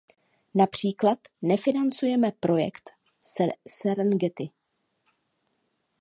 Například nefinancujeme projekt Serengeti.